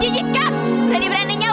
saya creek lebar zobaczyn posisi yang